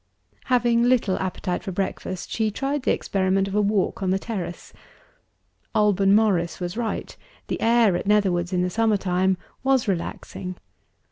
Having little appetite for her breakfast, she tried the experiment of a walk on the terrace. Alban Morris was right; the air at Netherwoods, in the summer time, was relaxing.